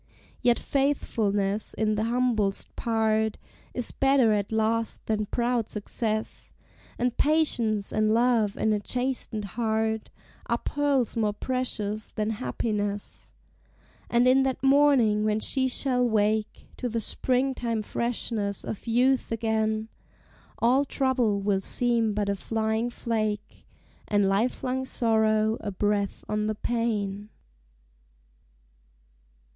Yet faithfulness in the humblest part Is better at last than proud success, And patience and love in a chastened heart Are pearls more precious than happiness; And in that morning when she shall wake To the spring time freshness of youth again, All trouble will seem but a flying flake, And lifelong sorrow a breath on the pane.